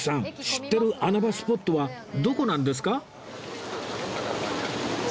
知ってる穴場スポットはどこなんですか？